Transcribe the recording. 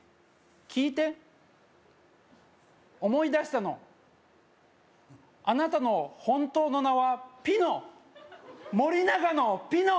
聞いて思い出したのあなたの本当の名はピノ森永のピノ！